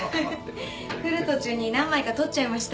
来る途中に何枚か撮っちゃいました。